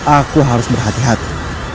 aku harus berhati hati